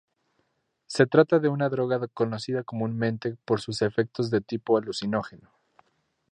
Se trata de una droga conocida comúnmente por sus efectos de tipo alucinógeno.